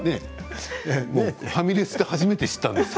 ファミレスで初めて知ったんです